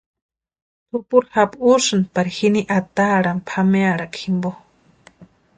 Tupuri japu úsïnti pari jini ataarhani pʼamearhakwa jimpo.